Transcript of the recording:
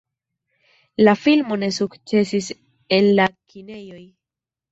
La filmo ne sukcesis en la kinejoj.